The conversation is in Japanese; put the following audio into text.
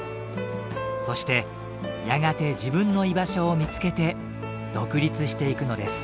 そしてやがて自分の居場所を見つけて独立していくのです。